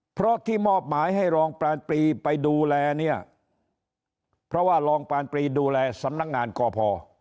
เพราะที่มอบหมายให้รองปรานปรีไปดูแลเนี่ยเพราะว่ารองปรานปรีดูแลสำนักงานกพ